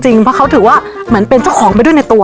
เพราะเขาถือว่าเหมือนเป็นเจ้าของไปด้วยในตัว